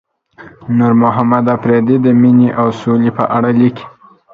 نورمحمد اپريدي د مينې او سولې په اړه ليکلي.